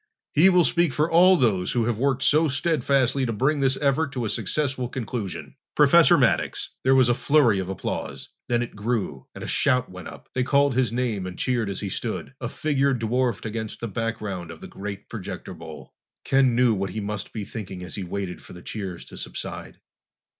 He will speak for all those who have worked so steadfastly to bring this effort to a successful conclusion. Professor Maddox!" There was a flurry of applause. Then it grew, and a shout went up. They called his name and cheered as he stood, a figure dwarfed against the background of the great projector bowl. Ken knew what he must be thinking as he waited for the cheers to subside.